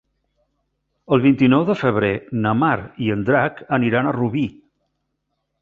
El vint-i-nou de febrer na Mar i en Drac aniran a Rubí.